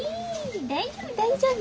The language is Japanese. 大丈夫大丈夫。